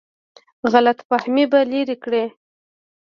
غلط فهمۍ به لرې کړي.